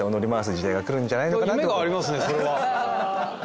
夢がありますねそれは。